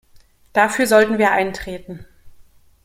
Dafür sollten wir eintreten!